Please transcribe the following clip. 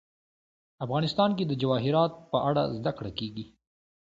افغانستان کې د جواهرات په اړه زده کړه کېږي.